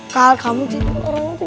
kal kamu cinta orang itu